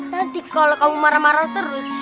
nanti kalau kamu marah marah terus